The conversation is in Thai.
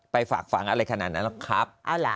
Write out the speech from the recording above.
ฝากฝังอะไรขนาดนั้นหรอกครับ